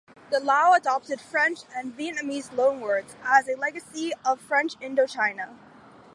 The Lao adopted French and Vietnamese loanwords as a legacy of French Indochina.